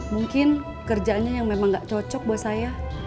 mungkin kerjaannya yang memang gak cocok buat saya